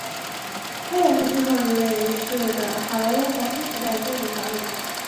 他也是最后一位离世的好莱坞黄金时代电影导演。